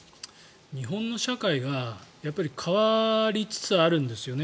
日本の社会が変わりつつあるんですよね。